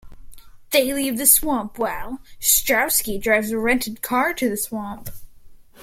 They leave the swamp while, Strowski drives a rented car to the swamp.